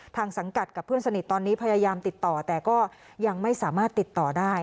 สังกัดกับเพื่อนสนิทตอนนี้พยายามติดต่อแต่ก็ยังไม่สามารถติดต่อได้